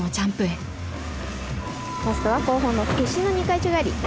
ラストは後方の屈身の２回宙返り。